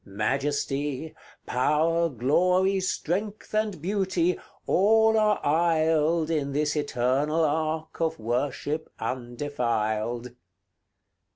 Majesty, Power, Glory, Strength, and Beauty, all are aisled In this eternal ark of worship undefiled.